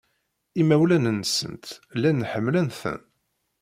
Imawlan-nsent llan ḥemmlen-ten.